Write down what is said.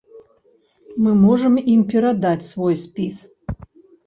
Мы можам ім перадаць свой спіс.